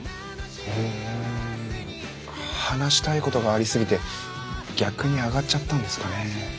ん話したいことがありすぎて逆にあがっちゃったんですかね。